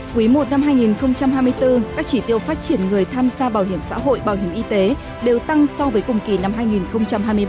quý i năm hai nghìn hai mươi bốn các chỉ tiêu phát triển người tham gia bảo hiểm xã hội bảo hiểm y tế đều tăng so với cùng kỳ năm hai nghìn hai mươi ba